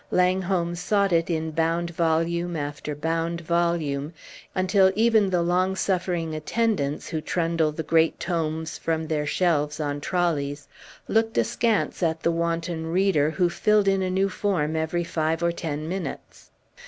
Langholm sought it in bound volume after bound volume, until even the long suffering attendants, who trundle the great tomes from their shelves on trolleys, looked askance at the wanton reader who filled in a new form every five or ten minutes.